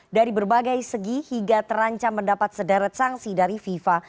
dari berbagai segi hingga terancam mendapat sederet sanksi dari fifa